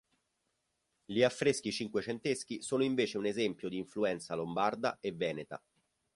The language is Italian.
Gli affreschi cinquecenteschi sono invece un esempio di influenza lombarda e veneta.